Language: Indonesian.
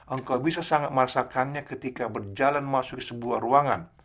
engkau bisa sangat merasakannya ketika berjalan masuk di sebuah ruangan